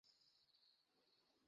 আজ ম্যালা পানি হছে।